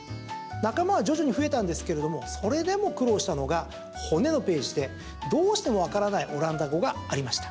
仲間は徐々に増えたんですけれどもそれでも苦労したのが骨のページでどうしてもわからないオランダ語がありました。